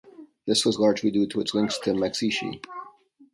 This was largely due to its links to Maxixe.